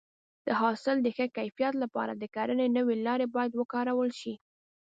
د حاصل د ښه کیفیت لپاره د کرنې نوې لارې باید وکارول شي.